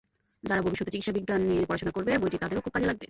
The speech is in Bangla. যারা ভবিষ্যতে চিকিৎসাবিজ্ঞান নিয়ে পড়াশোনা করবে, বইটি তাদেরও খুব কাজে লাগবে।